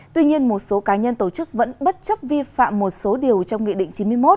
tuy nhiên một số cá nhân tổ chức vẫn bất chấp vi phạm một số điều trong nghị định chín mươi một